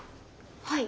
はい。